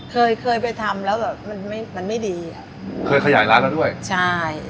เคยเคยไปทำแล้วแบบมันไม่มันไม่ดีอ่ะเคยขยายร้านแล้วด้วยใช่